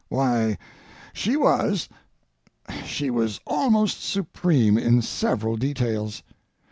Why, she was—she was almost supreme in several details.